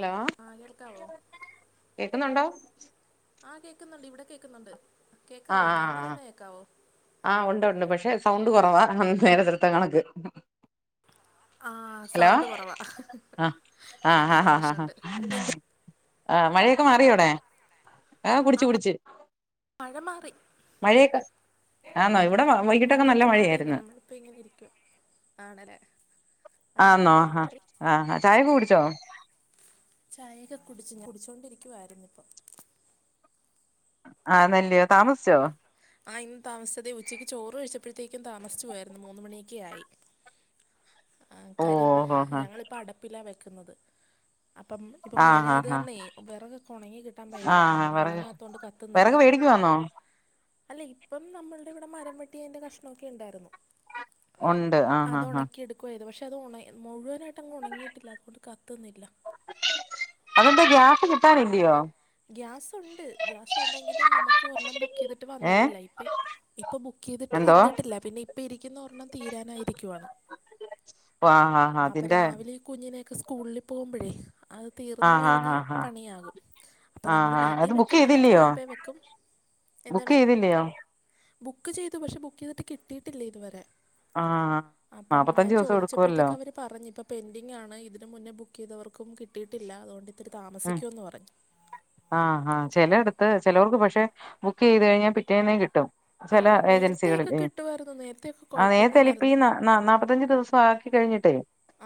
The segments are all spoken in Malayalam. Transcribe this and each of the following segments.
ഓ ആ കേൾക്കാവോ കേക്കുന്നുണ്ടോ ആഹ് കേക്കുന്നുണ്ട് ഇവിടെ കേക്കുന്നുണ്ട് കേക്കാവോ ആഹ ഞാൻ ആ ആ പറയുന്ന കേക്കാവോ ആഹ് ഉണ്ട് ഉണ്ട് പക്ഷെ സൗണ്ട് കുറവാ നേരെത്തെ കണക്ക് ആ ഹലോ സൗണ്ട് കുറവാ ആഹ ആഹ് അങ്ങനെ ഒരു ആ ഹാ ഹാ പ്രശ്നമുണ്ട് എന്ത് ആ് മഴയൊക്കെ മാറിയോടെ ആ കുടിച്ചു കുടിച്ച് മഴ മാറി മഴയൊക്കെ ആന്നോ ഇവിടെ വൈകിട്ടൊക്കെ നല്ല മഴയായിരുന്നു അപ്പൊ ഇങ്ങനെ ഇരിക്കും ആണല്ലേ ആ ഇവിടെ ആന്നോ മഴ ആഹാ മാറി ആ ചായ കുടിച്ചോ ചായയൊക്കെ കുടിച്ച് കുടിച്ചൊണ്ടിരിക്കുവായിരുന്നിപ്പം ആഹ് ന്ന ല്ലിയോ താമസിച്ചോ ആ ഇന്ന് താമസിച്ചതേ ഉച്ചയ്ക്ക് ചോറ് കഴിച്ചപ്പോഴത്തേക്കും താമസിച്ച് പോയിരുന്നു മൂന്ന് മണിയൊക്കെ ആയി കാര്യം ഓഹ് ആഹ് ഞങ്ങളിപ്പോൾ അടപ്പിലാണ് വെക്കുന്നത് അപ്പം ഇപ്പൊ മഴ ആഹ് ആയത് ആഹ് കാരണമെ വിറകൊക്കെ ഉണങ്ങി കിട്ടാൻ ഭയങ്കര പാട ഉണങ്ങാത്ത കൊണ്ട് കത്തുന്നില്ല ക് മേടിക്കു വാന്നോ അല്ല ഇപ്പം നമ്മളുടെ ഇവിടെ മരം വെട്ടിയതിന്റെ കഷ്ണംമൊക്കെ ഉണ്ടായിരുന്നു ഉണ്ട് ആഹ് അത് ആഹ് ആഹ് ഉണക്കി എടുക്ക കുവയത് പക്ഷേ അത് ഉണങ്ങി മുഴുവനായിട്ട അങ് ഉണങ്ങിയിട്ടില്ല അതുകൊണ്ട് കത്തുന്നില്ല അതെന്തെ ഗ്യാസ് കിട്ടാനില്ലയോ ഗ്യാസ് ഉണ്ട് ഗ്യാസ് ഉണ്ടെങ്കിലും നമുക്ക് ഒർണ്ണം ബുക്ക് ചെയ്തിട്ട് ഏഹ് വന്നിട്ടില്ല ഇപ്പ ഇപ്പം ബുക്ക് ചെയ്തിട്ട് എന്തോ വന്നിട്ടില്ല പിന്നെ ഇപ്പം ഇരിക്കുന്ന ഒരെണ്ണം തീരാനായിരിക്കുവാണ് ആ ആാഹാ അപ്പം അതിന്റെ രാവിലെ ഈ കുഞ്ഞിനെയൊക്കെ സ്കൂളിൽ പോകുമ്പോഴേ അത് തീർന്ന ആഹ് ആഹ് കഴിഞ്ഞാൽ ആഹ് ആഹ് പണിയാകും അപ്പൊ നമ്മൾ ആഹ് ആഹ് വീട്ടിൽ അത് ബുക്ക് വെക്കുന്നതൊക്കെ ചെയ്തില്ലയോ അടപ്പേ വെക്കും ബുക്ക് എന്താണ് ചെയ്തില്ലയോ ബുക്ക് ചെയ്തു പക്ഷെ ബുക്ക് ചെയ്തിട്ട് കിട്ടിയിട്ടില്ലേ ഇതുവരെ ആഹ് അപ്പം ഞാൻ നാപ്പത്തഞ്ച് ദിവസം എടുക്കുവല്ലോ ചോദിച്ചപ്പോഴത്തേക്ക അവര് പറഞ്ഞ് ഇപ്പ പെൻഡിങ്ങാണ് ഇതിന് മുന്നേ ബുക്ക് ചെയ്തവർക്കും കിട്ടിയിട്ടില്ല അതുകൊണ്ട് ഇത്തിരി ഉം താമസിക്കുന്ന് പറഞ്ഞ് ആഹ് ആഹ ചില എടുത്ത് ചിലവർക്ക് പക്ഷെ ബുക്കീത് കഴിഞ്ഞാ പിറ്റേന്നെ കിട്ടും ആ ചില നേരത്തെയൊക്കെ ഏജൻസികളില് കിട്ടുമായിരുന്നു നേരത്തെയൊക്കെ ആ നേരത്തെലിപ്പ കുഴപ്പമൊന്നുമില്ലായിരുന്നു നാപത്തഞ്ച് ദിവസം ആക്കി കഴിഞ്ഞിട്ടേ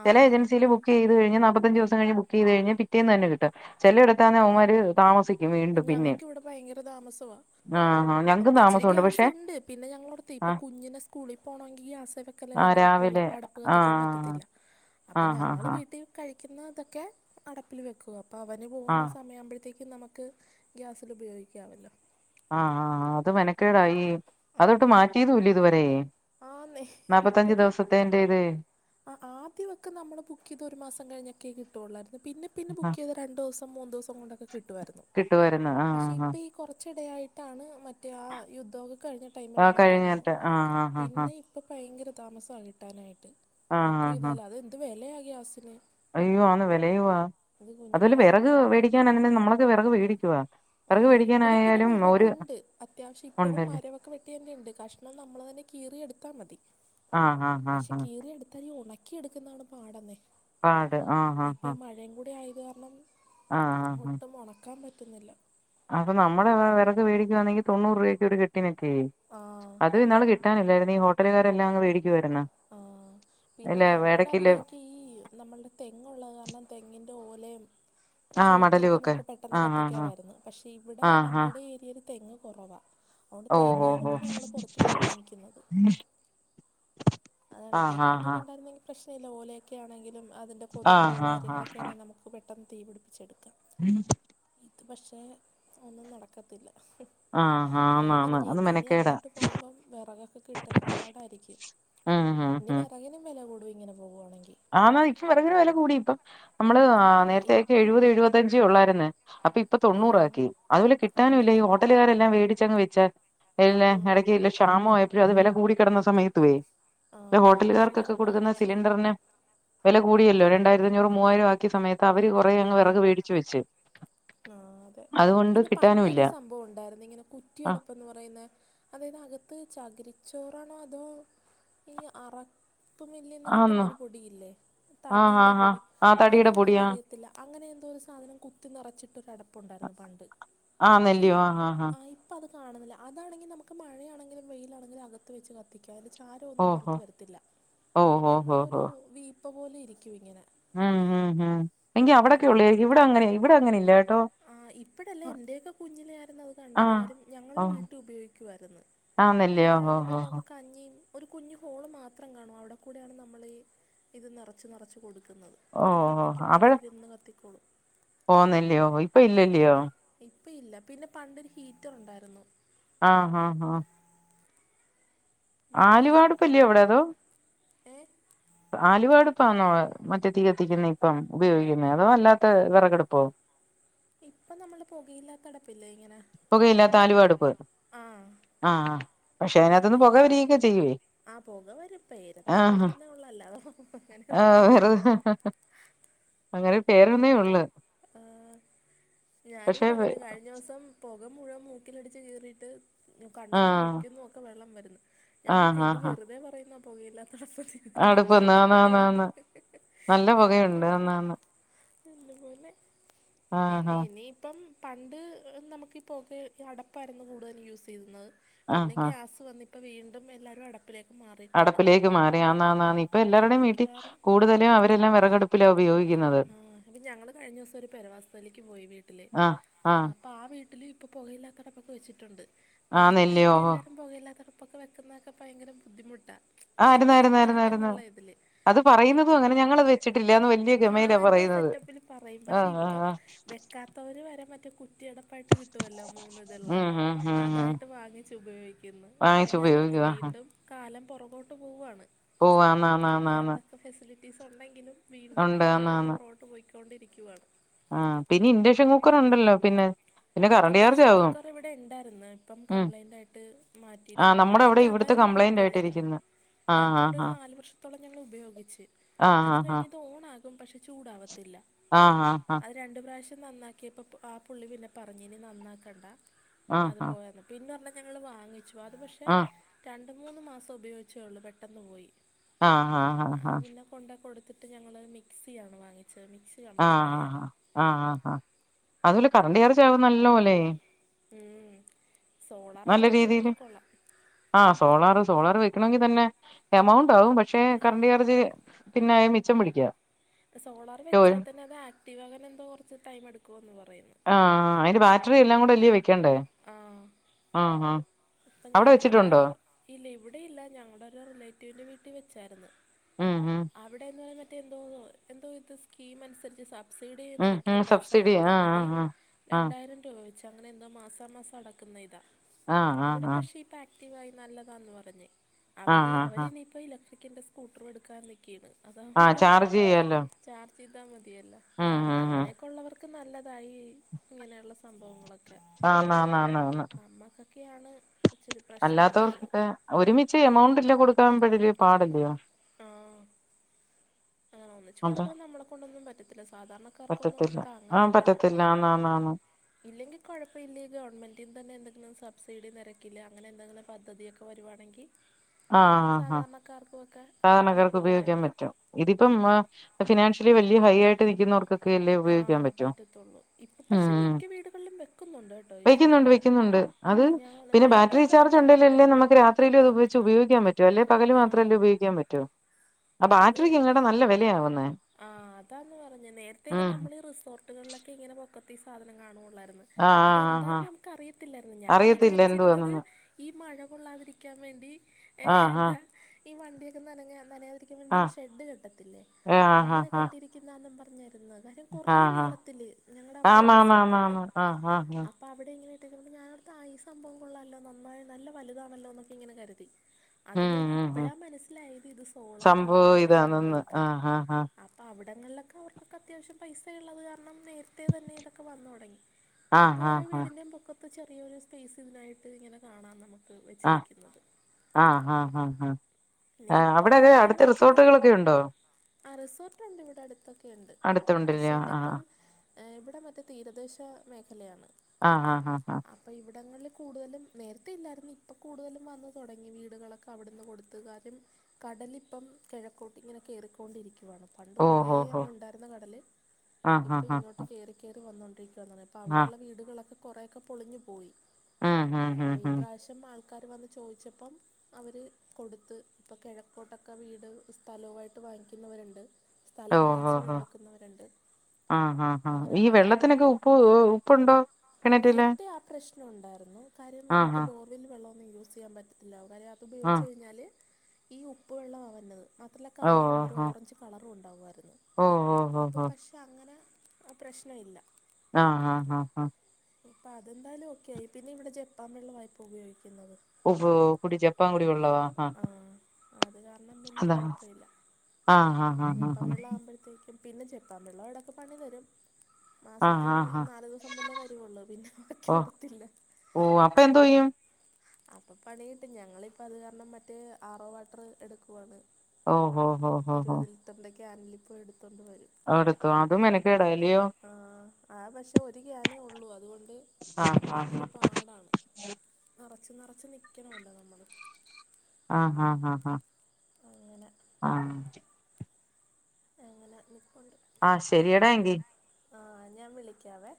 ആ ചില ഏജൻസിൽ ബു ബുക്കീത് കഴിഞ്ഞ് നാപ്പത്തഞ്ച് ദിവസംകഴിഞ് ബുകീത് കഴിഞ്ഞാ പിറ്റേന്നന്നെ കിട്ടും ചിലെടുത്താന്നെ അവൻമാര് താമസിക്കും ഞങ്ങക്കിവിടെ ഭയങ്കര താമസവാ ആ ഹ അപ്പൊ ഇച്ചിരി ഗ്യാസൊണ്ട് പിന്നെ ഞങ്ങളടുത്ത് ഇപ്പ ആഹ് കുഞ്ഞിനെ സ്കൂളില് പോണോങ്കി ഗ്യാസ ക്കലല്ലേ ആഹ് നടക്കൊള്ളൂ രാവിലെ അപ്പം അടപ്പ് കത്തിക്കാൻ ആഹ് പറ്റത്തില്ല അപ്പം ആഹ് ഞങ്ങൾ ആഹ് ആഹ് വീട്ടി കഴിക്കുന്ന ഇതൊക്കെ അടപ്പിൽ വെക്കുക അപ്പോ അവന് പോകുന്ന ആഹ് സമയ ആവുമ്പോഴത്തേക്കും നമുക്ക് ഗ്യാസിൽ ഉപയോഗിക്കാവല്ലോ ആഹ് ആ് അത് മെനക്കേടായി ആ അതൊട്ട് മാറ്റിയതൂല്ല ഇതുവരെ ആന്നേ നാപ്പത്തഞ്ച് എന്തൊരു ദിവസത്തേൻ്റേത് ആ ആദ്യവൊക്ക നമ്മള് ബുക്കീത് ഒരു മാസം കഴിഞ്ഞൊക്കെ കിട്ടുവയുള്ളായിരുന്നു പിന്നെ പിന്നെ ആഹ് ബുക്കീയ്ത രണ്ടു ദിവസം മൂന്നദിവസം കൊണ്ടൊക്കെ കിട്ടുവായിരുന്നു കിട്ടുവായിരുന്നു പക്ഷേ ആഹ് ഇപ്പ കൊറച്ചിടയായിട്ടാണ് മറ്റേ ആ യുദ്ധ കഴിഞ്ഞ ആഹ് ടൈമിലാണെന്ന് തോന്നുണു കഴിഞ്ഞിട്ട് ആഹ് ആഹ് ആഹ് ആഹ് പിന്നെ ഈ ഇപ്പൊ ഭയങ്കര താമസാ കിട്ടാനായിട്ട് ആഹ് ആഹ് ആഹ് ബുക്കീതയ്താലതെന്തു വിലയാ ഗ്യാസിന് അയ്യോ ആന്ന് വെലയുവാ ഇത് അതുവല കുഞ്ഞുങ്ങളെയൊക്കെ വെറക് കൊണ്ട് പണി വേടിക്കാനാനേങ്കിലേ നമ്മളൊക്കെ വെറക് വേടിക്കുവാ ആ വെറക് ഇവിടെ പിന്നെ വേടിക്കാനയാലും ഒരു വിറകുണ്ട് അത്യാവശ്യം ഇപ്പഴും ഉണ്ടല്ലേ മരവൊക്കെ വെട്ടി യിണ്ട് കഷ്ണം നമ്മള് തന്നെ കീറിയെടുത്താ മതി ആഹ് ആഹ് ആഹ് പക്ഷെ ആഹ് കീറിയെട്ത്ത് അത്തരി ഉണക്കി എടുക്കുന്നതാണ് പാടന്നെ കാട് ആഹ് ഇപ്പ ആഹ് ഈ ആഹ് മഴയും കൂടെ ആയത് കാരണം ആഹ് ആഹ് ആഹ് ഒട്ടും ഒണക്കാൻ പറ്റുന്നില്ല അപ്പൊ നമ്മള് വെറക് വേടിക്കുവാണെങ്കിൽ തൊണ്ണൂറ് രൂവയ്ക്ക് ഒരു കെട്ടിനൊക്കെയേ ആ അതിന്നാള് കെട്ട കിട്ടിനില്ലായിരുന്നു ഈ ഹോട്ടലുകാരെല്ലാം അങ്ങ് വേടിക്കുവായിരുന്നു ആ പിന്നെ ഇല്ല ഞങ്ങളുടെ എടക്കില്ലേ അവിടെയൊക്കെ ഈ നമ്മള്ടെ തെങ്ങുള്ള കാരണം തെങ്ങിൻ്റെ ഓലേം ആഹ് മടലും ചൂട്ടുവൊക്കെ ഒക്കെ നമുക്ക് പെട്ടെന്ന് ആഹ് ആഹ് ആഹ് കത്തിക്കാവായിരുന്നു പക്ഷെ ഇവിടെ ആഹ് ആഹ് നമ്മളുടെ ഏരിയയില് തെങ്ങ് കൊറവാ അതുകൊണ്ട് ഓ ഓ തേങ്ങായും ഓ ഒക്കെ ഞങ്ങള് പൊറത്ത്ന്നാ വാങ്ങിക്കുന്നത് അതാണ് ആഹ് ആഹ് തെങ്ങെങ്കിലും ഉണ്ടായിരുന്നങ്കി പ്രശ്നല്യാ ഓലെയൊക്കെ ആണെങ്കിലും അതിന്റെ കൊതുമ്പോ ആഹ് ആഹ് കാര്യങ്ങളൊക്കെ ആഹ് ആണെ നമുക്ക് നമുക്ക് പെട്ടന്ന് തീ പിടിപ്പിച്ചെടുക്കാം ഇത് പഷേ ഒന്നും നടക്കത്തില്ല ആഹ് ആഹ് ആന്ന് ഞാൻ ആന്ന് പറഞ്ഞെ അത് ഇനി ഇനി മെനക്കേടാ അങ്ങോട്ട് പോമ്പം വെറകക്കെ കിട്ടല് പാടാരിക്കും ഉം ഉം ഇന്നി വെറകിനും വെല കൂടും ഇങ്ങനെ പോവാണെങ്കി ആന്ന് ഇപ്പൊ വെറകിന് വെല കൂടി ഇപ്പം നമ്മള് ആ ആഹ് നേര്ത്ത്യൊക്കെ ഇപ്പം എഴുപത് എഴുപ ത്തഞ്ചെ ഒള്ളാര്ന്ന് അപ്പ ഇപ്പൊ ആ തൊണ്ണൂറാക്കി അതുപോല കിട്ടാനുല്ല ഈ ആണല്ലേ ഹോട്ടല്കാരെല്ലാം വേടിച്ചങ്ങ് വെച്ച ആ ഇല്ല എടക്കില്ല ക്ഷാമൊവായപ്പഴും അത് വെല കൂടിക്കെടന്ന സമയത്തുവേ ആ ഇപ്പം ഹോട്ടല്കാർക്കൊക്കെ എല്ലാവരും കൊടുക്കുന്ന വാങ്ങിച്ച് സിലിണ്ടർന് വെല കൂടിയല്ലോ രണ്ടായിരത്തിഞ്ഞൂറ് മൂവായിരം ആക്കിയ സമയത്ത് അവര് കൊറേ അങ്ങ് വെറക് വേടിച്ച് വെച്ച് ആഹ് അതെ അതുകൊണ്ട് പിന്നെ കിട്ടാനും ഇല്ല പണ്ടൊരു സംഭവം ഒണ്ടാര്ന്ന് ഇങ്ങനെ കു ആഹ് കുറ്റിയടപ്പ് എന്ന് പറയുന്നെ അതായ്ത് അകത്ത് ചകരിച്ചോറാണോ അതോ ഈ അറ ത്തു മില്ലിന്ന് ആന്നോ കിട്ടുന്നൊരു പൊടിയില്ലേ ആഹ് തടീടെ ആഹ് ആഹ് പൊടി ആഹ് തടിയുടെ പൊടിയാ അതാണോന്ന്റിയ അങ്ങനെ എന്തോ ഒരു സാധനം കുത്തി നറച്ചിട്ടൊരു അടപ്പൊണ്ടാര്ന്നു പണ്ട് ആന്നല്ല്യോ ആഹ് ആഹ് ആഹ് ഇപ്പത് കാണുന്നില്ല അതാണെങ്കി നമുക്ക് മഴയാണെങ്കിലും വെയിലാണെങ്കിലും അക വെച്ച് കത്തിക്ക അയ്ന്റെ ചാരം ഒന്നും ഓഹോ പൊറത്ത് വരത്തില്ല ഓ ഹോ ഹോ നമ്മുടെ ഹോ ഒരു വീ പ്പ പോലെയിരിക്കും ഇങ്ങന ഉം ഉം ഉം എങ്കി അവിടെക്കെള്ളു ആരിക്കും ഇവടെ അങ്ങനെ ഇവടെ അങ്ങനില്ല കേട്ടോ ആ ഇപ്പഴല്ല എന്റെയക്ക കുഞ്ഞിലെയാര്ന്നു അത് ആ കണ്ടത് കാര്യം ഓ ഞങ്ങൾടെ വീട്ടീ ഉപയോഗിക്കുവാരുന്നു ആന്നല്ലയോ എന്നിട്ട് ഓ അയിന്റെ ഓ പൊറത്ത്ന്ന് നമുക്ക് കഞ്ഞീം ഒരു കുഞ്ഞു ഹോള് മാത്രം കാണും അവിടെക്കൂടെയാണ് നമ്മളീ ഇത് നെറച്ച് നെറച്ച് കൊടുക്കുന്നത് ന്നിട്ട് കത്തിക്കുമ്പോ അതാതിന്ന് കത്തിക്കോളും പോന്നില്യോ ഇപ്പൊ ഇല്ലല്യോ ഇപ്പയില്ല പിന്നെ പണ്ടൊരു ഹീറ്ററുണ്ടാര്ന്നു ആഹ് ഹ ഹ മറ്റെ ആലുവാടുപ്പല്ലയോ ഏഹ് ആലുവടുപ്പാന്നോ മറ്റേ തീ കത്തിക്കുന്നെ ഇപ്പം ഉപയോഗിക്കുന്നേ അതോ അല്ലാത്ത വെറകടുപ്പോ ഇപ്പൊ നമ്മള് പൊകയില്ലാത്തടപ്പില്ലേ ഇങ്ങന പൊകയില്ലാത്ത ആലുവാടുപ്പ് ആ പക്ഷെ അത് അതിനാത്ത്ന്ന് തന്നെ പൊക ഇപ്പം വരീക്ക ചെയ്യുല്ലേ ആ പൊക വെരും പേരൊന്നു ഉണ്ടെന്നേള്ളു അല്ലാതെ ആ അങ്ങനെയൊന്നുല്ല വെറുതെ അങ്ങനെ പേരന്നേയൊള്ള് ഹ് ഞാനും പക്ഷെ പറഞ്ഞ് കഴിഞ്ഞോസം പൊക മുഴുവൻ മൂക്കിലടിച്ച് കേറീട്ടു കണ്ണീന്നും ആ മൂക്കീന്നൊക്ക വെള്ളം വരുന്നു ഞാൻ ആഹ് പറഞ്ഞ് ഇത് ആഹ് ആഹ് വെറുതെ പറയുന്ന പൊകയില്ലാത്തടുപ്പത്തി അതിന് അടുപ്പ് നന്നായിട്ട് പൊകയിണ്ട് ആന്നാന്നാന്ന് നല്ല പുകയുണ്ട് എന്താണെന്തോ ആന്നാന്ന് ഇന്നുപോലെ ആഹ് ഇനി ആഹ് ഇനി ഇപ്പം പണ്ട് നമുക്കിപ്പൊക്കെ അടപ്പായിരുന്നു കൂടുതൽ യൂസൈയ്യുന്നത് പിന്നെ ആഹ് ആഹ് ഗ്യാസ് വന്ന് ഇപ്പം വീണ്ടും എല്ലാരും അടപ്പിലേക്ക് മാറി അടപ്പിലേക്ക് മാറി ആന്നാന്നാന്ന് ഇപ്പൊ എല്ലാവരുടെയും വീട്ടിൽ മിക്കവാറും കൂടുതലും അവരെല്ലാം വെറകടുപ്പിലാ ഉപയോഗിക്കുന്നത് ആഹ് അപ്പ ഞങ്ങള് കഴിഞ്ഞോസം ഒരു പെരവാസത്തിലേക്ക് പോയി വീട്ടില് ആഹ് പ്പാ വീട്ടില് ഇപ്പൊ പൊകയില്ലാത്തടുപ്പൊക്കെ വെച്ചിട്ടുണ്ട് ആന്നല്ലയോ നേരത്തെയൊക്കെ എല്ലാരും പൊകയില്ലാത്തടു പ്പൊക്ക വെക്കുന്നൊക്ക ഭയങ്കര ബുദ്ധിമുട്ടാ എന്ന് വെച്ചാ വേണ്ട ആയിരുന്നായിരുന്നായിരുന്നായിരുന്ന് എന്നുള്ള ഇതില് അത് പറയുന്നതും അങ്ങനെ ഞങ്ങളത് വെച്ചിട്ടില്ലാന്ന് വലൃ ആഹ് എന്തോ സെറ്റപ്പില് പറയും പക്ഷെ ആഹ് ആഹ് ഇപ്പം ആഹ് വെ വെക്കാത്തവര് വരെ മറ്റേ കുറ്റിയടുപ്പായിട്ട് കിട്ടുവല്ലോ മൂന്ന് തൊള്ള ഉം ഉം ഉം ഉം അതായിട്ട് വാങ്ങിച്ച് ഉപയോഗിക്കുന്നു അപ്പൊ വാങ്ങിച്ചു ഞാൻ എടുത്തു ഉപയോഗിക്കുവാ വീണ്ടും കാലം പൊറകോട്ട് പോവാണ് ഓ ആന്നാ ന്നാ ന്നാണ് ഇപ്പോ ഫെസിലിറ്റീസ് ഒണ്ടെങ്കിലും വീണ്ടും പൊറകോട്ട് ആന്നാന്ന് പൊറകോട്ട് പോയിക്കൊണ്ടിരിക്കുവാണ് ആഹ് പിന്നെ ഇൻഡക്ഷൻ കുക്കറുണ്ടല്ലോ പിന്ന ഇൻഡക്ഷൻ കുക്കർ ഇവിടെ ഇണ്ടായിരുന്നു ഇപ്പം ഉം കംപ്ലയിന്റ് ആയിട്ട് മാ ആഹ് മാറ്റിയിരിക്കുവാണ് നമ്മുടെ അവിടെ ഇല്ലെങ്കി ഇവിടുത്തെ അതായാലും കംപ്ലൈന്റ് കൊഴപ്പില്ലാരുന്നു ആയിട്ടിരിക്കുന്നു ആഹ് ഞങ്ങക്ക് ഇവിടൊരു നാല് വർഷത്തോളം ഞങ്ങൾ ഉപയോഗിച്ച് ആഹ് അത് ആഹ് കഴിഞ്ഞിത് ഓൺ ആ കും പക്ഷെ ചൂടാവതില്ല ആഹ് ഹ ഹാ രണ്ടു പ്രാവശ്യം നന്നാക്കിയപ്പോ ആ പുള്ളി പിന്നെ പറഞ്ഞ് ഇനി നന്നാക്കണ്ടാ അതു ആഹ് പോയന്ന് പിന്നെ ഒരെണ്ണം ഞങ്ങള് വാങ്ങിച്ചു അത് പക്ഷേ ആഹ് രണ്ടു മൂന്ന് മാസം ഉപയോഗിച്ചൊള്ളു പെട്ടന്ന് പോയി ആഹ് ഹാ ഹാ ഹാ അത് പിന്നെ കൊണ്ട കൊടുത്തിട്ട് ഞങ്ങള് മിക്സിയാണ് വാങ്ങിച്ചത് മിക്സി കംപ്ലൈൻ്റ് ആഹ് ആയായിരുന്നു ആ ആഹ് ഹാ അതു പോലെ കറണ്ട് ചാർജാവും നല്ല പോലെ ഉം സോളാറൊക്കെ നല്ല രീതിയില് വെക്കാണെങ്കി കൊള്ളാം ആഹ് സോളാറ് സോളാർ വെക്കണോങ്കി തന്നെ എമൗണ്ട് ആവും പക്ഷെ ആ കറന്റ് ചാർജ് പിന്നെ അത് മിച്ചം പിടിക്കാ സോളാർ വെച്ചാ തന്നെ അത് ആക്റ്റീവ് ആകാൻ എന്തോ കൊറച്ച് ടൈം എടുക്കൂന്ന് പറയ്യ്ന്ന് ആഹ് അയിന്റെ ബാറ്ററി എല്ലാം കൂടല്ലേ വെക്കണ്ടേ ആഹ് ആഹ് അപ്പൊ അവിടെ ഞങ്ങളുടെ വെച്ചിട്ടുണ്ടോ ഇല്ല ഇവിടെ ഇല്ല ഞങ്ങടെ ഒരു റിലേറ്റീവിന്റെ വീട്ടി വെച്ചാരുന്നു ഉം ഉം അവിടേന്ന് പറഞ്ഞ മറ്റേ എന്തോന്നോ എന്തോ ഇത് സ്കീം അനുസരിച്ച് സാ സബ്സിഡി ഉം ഉം നിരക്കിന് പൈസ സബ്സിഡി കൊടുത്താ മതി ആഹ് ആഹ് ആഹ് രണ്ടായിരം രൂപ വെ വെച്ച് അങ്ങനെ എന്തോ മാസാ മാസം അടക്കുന്ന ഇതാ ആഹ് അവിടെ ആഹ് പക്ഷെ ഇപ്പ ആക്റ്റീവായി നല്ലതാന്ന് പറഞ്ഞ് അവർ ആഹ് ആഹ് അവര് ആഹ് ഇനിപ്പോ ഇലക് അപ്പൊക്കിന്റെ സ്കൂട്ടർ എടുക്കാൻ നിക്കെയാണ് ആഹ് അതാവുമ്പോ ചാർജ് ചെയ്യാലോ ചാർജ് ചെയ്താൽ മതിയല്ലോ ഉം ഉം [unintelligible] ഉം അങ്ങനെ ഒക്കെ ഉള്ളവർക്ക് നല്ലതാ ഈ ഇങ്ങനെയുള്ള സംഭവങ്ങളൊ ആന്ന് ആന്ന് ആന്ന് ആന്ന് ക്കെയാണ് ഇച്ചിരി പ്രശ്നമാകുന്നത്. അല്ലാത്തവർക്കൊക്കെ ഒരുമിച്ച് എമൗണ്ട് ഇല്ല കൊടുക്കാൻ പെടലിയ പാടല്ലിയോ? ആഹ് ആഹ് ഒന്നിച്ച് അത് കൊടുക്കാൻ നമ്മളെകൊണ്ടൊന്നും പറ്റത്തില്ല. സാധാരണ ക്കാർക്കൊന്നും താങ്ങത്തില്ലത്. ആന്ന് ആന്ന് ആന്ന് ഇല്ലെങ്കിൽ കുഴപ്പയില്ലി ഈ ഗവണ്മെന്റീന്നു തന്നെ എന്തെങ്കിലും സബ്‌സിടി നിരക്കില് അങ്ങനെ എന്തെങ്കിലും പദ്ധതി വരൂവാണെങ്കി ആഹ് ആഹ് ആഹ് നമുക്ക് സാധാരണക്കാർക്ക് ഉപയോഗിക്കാൻ ഉപയോഗിക്കാം പറ്റും ഇതിപ്പം ആഹ് ഫിനാൻഷ്യലി വലിയ ഹൈ ആയിട്ട് നിൽക്കുന്നവർക്ക് ക്കെയല്ലേ ആ ഉപയോഗിക്കാൻ പറ്റു പറ്റത്തുള്ളൂ ഇപ്പം പക്ഷെ മ്ഹ് മിക്ക വീടുകളിലും വെക്കുന്നുണ്ട് കേട്ടോ ഈ വെക്കുന്നുണ്ട് സംഭവം വെക്കുന്നുണ്ട്. അത് ഞങ്ങൾ പിന്നെ ബാറ്ററി നേരത്തെയൊക്കെ ചാർജ് അങ്ങനെ ഉണ്ടേലല്ലേ നമുക്ക് രാത്രി ത്രിലും അത് വെച്ച് ഉപയോഗിക്കാൻ പറ്റു അല്ലെ പകല് ആ മാത്രമല്ലേ ഉപയോഗിക്കാൻ പറ്റു ആ ബാറ്ററി ഇത് ക്ക് നല്ല വില ആവുന്നേ ആഹ് അതാന്ന് പറഞ്ഞ് നേരത്തെൊക്കെ നമ്മൾ ഈ റിസോർട്ടുകളിലൊക്കെ ഇങ്ങനെ പൊക്കത്തി സാധനം കാണുവൊള്ളായിരുന്നു ആ ആ ആ ആ അതെന്താെന്ന് നമുക്ക് അറിയത്തില്ലായിരുന്നു ഞാൻ അറിയത്തില്ല വിചാരിച്ചിരുന്നത് എന്തുവാന്നൊന്നും ഈ മഴ കൊള്ളാതിരിക്കാൻ വേണ്ടി ആ ആ എന്താ ഈ വണ്ടിയൊക്കെ നനഞ്ഞാ നന തിരിക്കാൻ ആ വേണ്ടി ഷെ്ഡ് കെട്ടത്തില്ലേ ആ ആ അങ്ങനെ ആ കെട്ടിരിക്കുന്നാന്നും പറഞ്ഞാ ഇരുന്നത് എരം കുറേ ആ ആ നീളത്തിൽ ഞങ്ങളുടെ അവിടെ ഒരു ആമാമാമാ റിസോർട്ടുണ്ട് ആഹ് ആഹ് ആഹ് അ അപ്പോ അവിടെങ്ങനെയിട്ടേക്കന്നത് ഞാൻ അടുത്തെ ആ ഈ സംഭവം കൊള്ളാല്ലോ നന്നായി നല്ലവലുതാണല്ലോന്നൊക്കെ ഇങ്ങനെ കരുതി. [inaudible] അത് കഴിഞ്ഞ് ഉം ഉം ഇപ്പഴാ മനസ്സിലായത് ഇത് സംഭവം സോളാറാണെന്നുള്ള ഇതാണെന്ന് സംഭവൊക്കെ. ആഹ് ഹാ അപ്പം അവിങ്ങളിലൊക്കെ അവർക്കൊക്കെ അത്യാവശ്യം പൈസ ഉള്ളത് കാരണം നേര ത്തെ തന്നെ ഇതൊക്കെ വന്നു തുടങ്ങി ഇപ്പോ ആഹ് ഓരോ ആഹ് വീടിന്റെയും പൊക്ക ഇപ്പ ചെറിയൊരു സ്പേസ് ഇതിനായിട്ട് ഇങ്ങനെ കാണാം നമുക്ക് ആഹ് വെച്ചിരിക്കുന്നത് ആഹ് ഹ ഹ ഹ ഇനി ആ ഇപ്പോൾ അവിടൊരൂ ഓരോരുത്തർ അടുത്ത് വെക്കുന്നത് റിസോർട്ടുകളൊക്കെ ഉണ്ടോ? ആ റിസോർട്ടുണ്ട് ഇവിടെ അടുത്തൊക്കെ ഉണ്ട് അടുത്തുണ്ടല്ലയോ റിസോർട്ട് ആഹ് ഇപ്പം ഏഹ് ഇവിടെ മറ്റേ തീരദേശ മേഖലയാണ്. ആഹ് ഹ ഹ ഹ അപ്പോം ഇവിടങ്ങളിൽ കൂടുതലും നേരത്തെല്ലായിരുന്നു ഇപ്പം കൂടുതലും വന്ന് തുടങ്ങി വീടുകളൊക്കെ അവിടുന്ന് കൊടുത്തുക ൽ കടലിപ്പം കിഴക്കോട്ട് ഇങ്ങനെ കേറിക്കൊണ്ടിരിക്കുവാണ് പണ്ട് കുറേ ഓഹോ ഹോ അങ്ങ് ഉണ്ടായിരുന്ന കടല് ആഹ് ഇപ്പൊ ആഹ് ആഹ് ഇങ്ങോട്ട് കേറി കേറി വന്നോൊണ്ടിരിക്കുവാന്ന്പ അപ്പോ ആഹ് അവിടെയുള്ള വീടുകളൊക്കെ കുറെയൊക്കെ പൊളിഞ്ഞു പോയി. ഉം ഉം ഉം ഈ ഉം പ്രാവശ്യം പം ആൾക്കാർ വന്ന് ചോദിച്ചപ്പം അവര് കൊടുത്ത്. ഇപ്പോൾ കിഴക്കോട്ടൊക്കെ വീട് സ്ഥലവുമായിട്ട് വാങ്ങിക്കുന്നവരുണ്ട് സ്ഥലം ഓഹോ വാങ്ങിച്ച് വീട് ഹോ വെക്കുന്നവരുണ്ട് ആഹ് ഹ ഹ അങ്ങനെ ഈ മാറി വെള്ളത്തിനൊക്കെ ഉപ്പ് ഉപ്പുണ്ടോ? കിണറ്റില് നേരത്തെ ആ പ്രശ്നം ഉണ്ടാരുന്നു കാര്യം ആഹ് നമുക്ക് ആഹ് ബോ കൂടുൽ വെള്ളമൊന്നും യൂസ് ചെയ്യൻ പറ്റത്തില്ല കര്യം അത് ഉപയോഗിച്ച് ആഹ് കഴിഞ്ഞാല് ഈ ഉപ്പ് വെള്ളമാ വന്നത് മാത്രമല്ല കളറുണ്ട് ഒരു ഓഹ് ഓഹ് ഓറഞ്ച് കളറും ഉണ്ടാവുമായിരുന്നു. ഓഹ് ഓഹ് ഇപ്പൊ ഓഹ് ഓഹ് പക്ഷെ അങ്ങനെ ആ പ്രശ്ന ഇല്ല. ആഹ് ഹാ ഹാ ഹാ. അപ്പം അതെന്തായാലും ഓക്കെ ആയി. പിന്നെ ഇവിടെ ജപ്പാൻ വെള്ള ഇപ്പൊ ഉപയോഗിക്കുന്നത്. ഓഹോ കുടി ജെപ്പാങ്കുടി വെള്ളവാ ആഹ് ആ അത് കാരണം പിന്നെ അതാ. കുഴപ്പമില്ല ആഹ്, ഹ, ഹ, ഹ, ആഹ് തേയ്ക്കും. പിന്നേ [unintelligible] വ്ടെ ഒക്കെ പണി വരും. ആഹ് മാസത്തി ആഹ് ആഹ് നാല് ദിവസം മുന്നേ വരും. ള്ളൂ. പിന്നെ, ബാക്കി വരത്തില്ല. ഓഹ്! അപ്പൊ എന്തോ യ്യും? അപ്പൊ പണികിട്ടും. ഞങ്ങളിപ്പോ അത് കാരണം മറ്റേ, ആറോ വാട്ടർ എടുക്കുവാണ്. ഓഹോ, ഹോ, ഹോ, ഹോ. [unintelligible] ക്യാൻല് പോയെടുത്തോണ്ട് വരും. അവിടുക്കോ? അത് മെനക്കേടാ ല്ലയോ? ആഹ്. ആ പഷേ, ഒരു ക്യാനേ ഉള്ളൂ. അതുകൊണ്ട് ആഹ് ആഹ് ഇത്തിരി പാടാണ്. [inaudible] നറച്ച്, നറച്ച് നിക്കണവല്ലോ നമ്മള്. ആഹ്, ഹാ, ഹാ, ഹാ അങ്ങനെ ആഹ് അങ്ങനെ നിക്കൊണ്ട് ആഹ്, ശെരിയടാ എങ്കി. ആഹ് ഞാൻ വിളിക്കാവേ!.